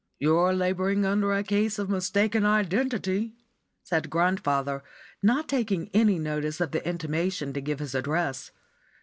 "You're labouring under a case of mistaken identity," said grandfather, not taking any notice of the intimation to give his address.